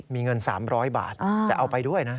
มีเงิน๓๐๐บาทแต่เอาไปด้วยนะ